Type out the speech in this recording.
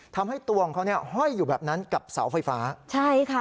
ทำให้ตัวของเขาเนี่ยห้อยอยู่แบบนั้นกับเสาไฟฟ้าใช่ค่ะ